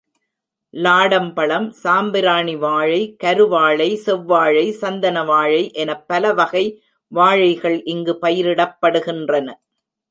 லாடம் பழம், சாம்பிராணி வாழை, கரு வாழை, செவ்வாழை, சந்தன வாழை எனப் பலவகை வாழைகள் இங்கு பயிரிடப்படுகின்றன.